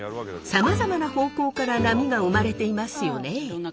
さまざまな方向から波が生まれていますよね。